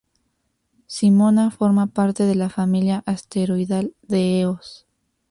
Simona forma parte de la familia asteroidal de Eos.